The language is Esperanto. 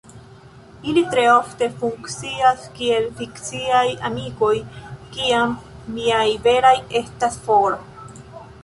Ili tre ofte funkcias kiel fikciaj amikoj, kiam miaj veraj estas for.